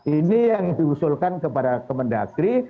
ini yang diusulkan kepada kemendagri